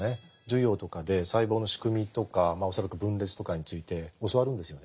授業とかで細胞の仕組みとか恐らく分裂とかについて教わるんですよね。